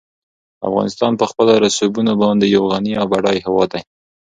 افغانستان په خپلو رسوبونو باندې یو غني او بډای هېواد دی.